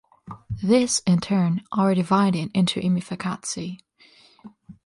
These, in turn, are divided into imiphakatsi.